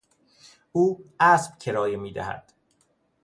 او اسب کرایه میدهد.